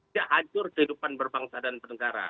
tidak hajur kehidupan berbangsa dan penegara